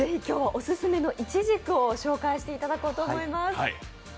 オススメのイチジクをご紹介していただこうと思います。